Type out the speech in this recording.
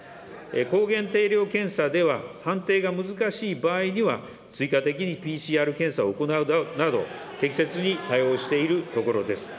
抗原定量検査では判定が難しい場合には、追加的にＰＣＲ検査を行うなど、適切に対応しているところです。